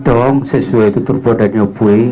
adung sesuai tutur padatnya pui